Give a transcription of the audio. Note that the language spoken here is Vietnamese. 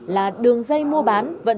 là đường dây mua bán